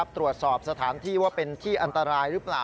ตรวจสอบสถานที่ว่าเป็นที่อันตรายหรือเปล่า